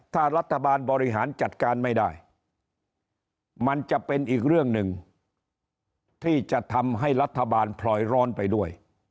ถ้ารัฐบาลบริหารจัดการไม่ได้มันจะเป็นอีกเรื่องหนึ่งที่จะทำให้รัฐบาลพลอยร้อนไปด้วย